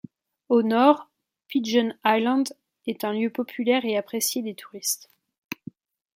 Au nord, Pigeon Island est un lieu populaire et apprécié des touristes.